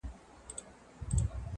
اورېدلې مي په کور کي له کلو ده٫